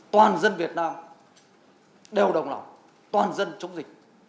toàn dân việt nam đều đồng lòng toàn dân chống dịch